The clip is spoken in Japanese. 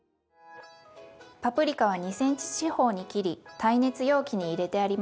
パプリカは２ｃｍ四方に切り耐熱容器に入れてあります。